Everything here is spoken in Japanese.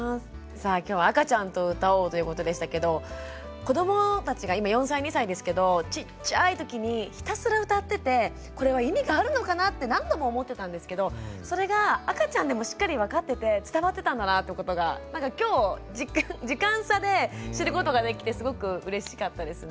さあ今日は「赤ちゃんと歌おう！」ということでしたけど子どもたちが今４歳２歳ですけどちっちゃいときにひたすら歌っててこれは意味があるのかなって何度も思ってたんですけどそれが赤ちゃんでもしっかり分かってて伝わってたんだなってことがなんか今日時間差で知ることができてすごくうれしかったですね。